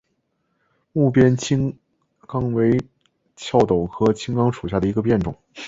睦边青冈为壳斗科青冈属下的一个变种。